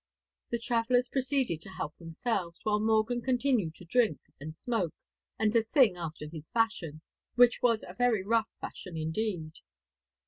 The travellers proceeded to help themselves, while Morgan continued to drink and smoke, and to sing after his fashion, which was a very rough fashion indeed.